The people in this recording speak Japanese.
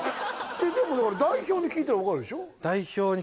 でもだから代表に聞いたら分かるでしょ？